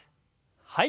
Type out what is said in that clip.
はい。